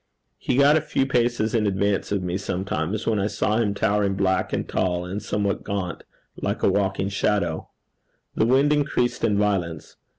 He got a few paces in advance of me sometimes, when I saw him towering black and tall and somewhat gaunt, like a walking shadow. The wind increased in violence.